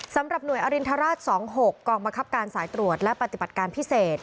สำหรับหน่วยอรินทราช๒๖กองบังคับการสายตรวจและปฏิบัติการพิเศษ